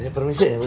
permisi ya bu